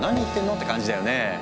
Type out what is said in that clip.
って感じだよねえ。